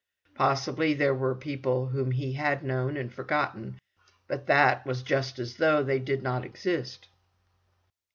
Possibly there were people whom he had known, and forgotten; but that was just as though they did not exist.